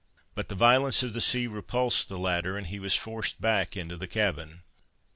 But the violence of the sea repulsed the latter, and he was forced back into the cabin.